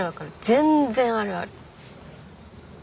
全然あるある。